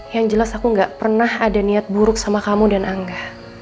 yang jelas aku gak pernah ada niat buruk sama kamu dan angga